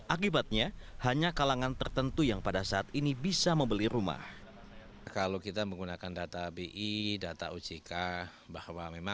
akibatnya hanya kalangan tertentu yang pada saat ini bisa membeli rumah